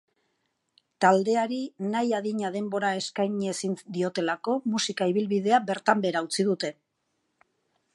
Taldeari nahi adina denbora eskaini ezin diotelako musika ibilbidea bertan behera utzi dute.